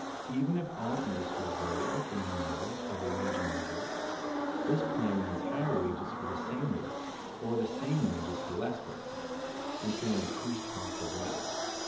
Even if all industries were alike in the matter of arranging their work, this plan means higher wages for the same work, or the same wages for less work, and so an increased cost of labor.